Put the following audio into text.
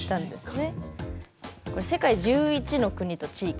これ世界１１の国と地域。